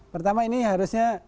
pertama ini harusnya